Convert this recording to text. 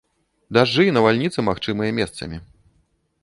Дажджы і навальніцы магчымыя месцамі.